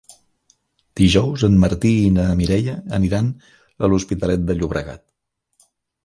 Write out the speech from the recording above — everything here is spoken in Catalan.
Dijous en Martí i na Mireia aniran a l'Hospitalet de Llobregat.